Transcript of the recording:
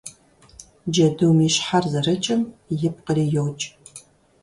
Джэдум и щхьэр зэрыкӀым ипкъри йокӀ.